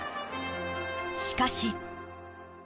しかし。